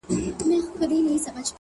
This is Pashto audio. د وخت پاچا زما اته ي دي غلا كړي!